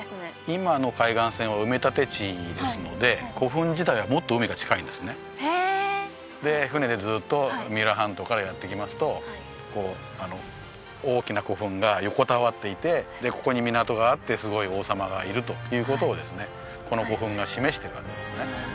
今の海岸線は埋め立て地ですのでへえで舟でずっと三浦半島からやって来ますとこう大きな古墳が横たわっていてでここに港があってすごい王様がいるということをこの古墳が示してるわけですね